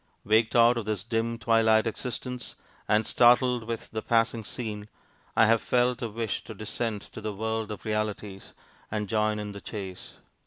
Waked out of this dim, twilight existence, and startled with the passing scene, I have felt a wish to descend to the world of realities, and join in the chase.